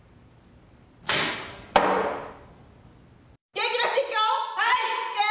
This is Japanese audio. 元気出していくよ！